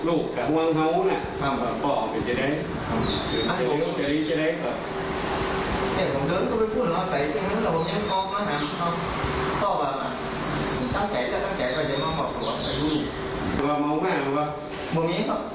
อืม